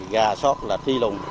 gà sót là thi lùng